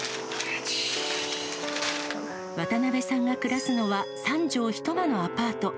渡部さんが暮らすのは、３畳一間のアパート。